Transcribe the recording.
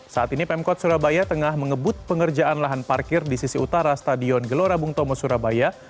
saat ini pemkot surabaya tengah mengebut pengerjaan lahan parkir di sisi utara stadion gelora bung tomo surabaya